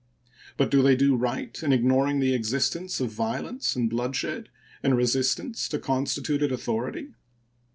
But do they do right in ignoring the existence of violence and bloodshed in resistance to constituted authority?